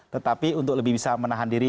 tetapi untuk lebih bisa menahan diri